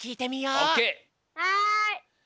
はい。